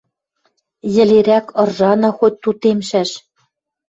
«Йӹлерӓк ыржана хоть тутемшӓш», —